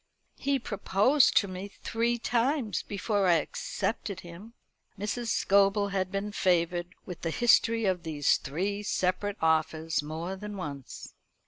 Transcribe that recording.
He proposed to me three times before I accepted him." Mrs. Scobel had been favoured with the history of these three separate offers more than once.